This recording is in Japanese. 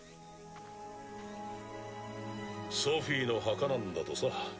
ソフィの墓なんだとさ。